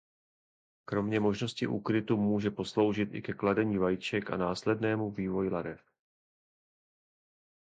Kromě možnosti úkrytu mu může posloužit i ke kladení vajíček a následnému vývoji larev.